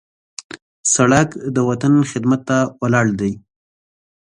سړک د وطن خدمت ته ولاړ دی.